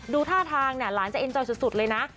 ดูท่าทางหลานจะเอ็นจอสุดเลยนะ